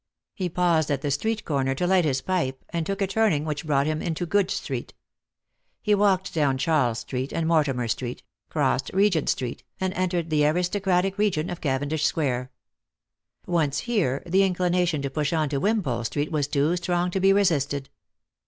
He paused at the street corner to light his pipe, and took a turning which brought him into Goodge street. He walked down Charles street and Mortimer street, crossed Eegent street, and entered the aristocratic region of Cavendish square. Once here, the inclination to push on to Wimple street was too strong to be resisted.